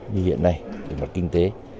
như hiện nay kinh tế